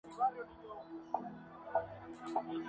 Se expresa en un bajo nivel en otros tejidos.